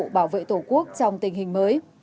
bảo vệ tổ quốc trong tình hình mới